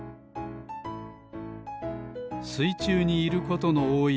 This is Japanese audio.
すいちゅうにいることのおおい